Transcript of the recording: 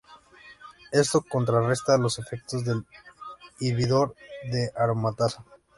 Esto contrarresta los efectos del inhibidor de aromatasa.